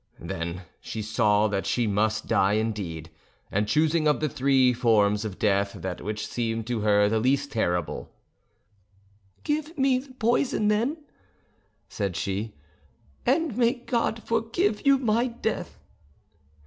Then she saw that she must die indeed, and choosing of the three forms of death that which seemed to her the least terrible, "Give me the poison, then," said she, "and may God forgive you my death!"